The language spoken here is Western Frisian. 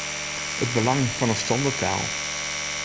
It belang fan in standerttaal.